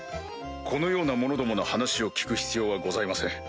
このような者どもの話を聞く必要はございません。